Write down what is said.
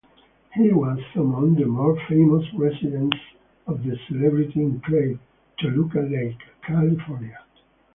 He was among the more famous residents of the celebrity enclave, Toluca Lake, California.